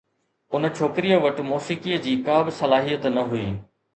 ان ڇوڪريءَ وٽ موسيقيءَ جي ڪا به صلاحيت نه هئي.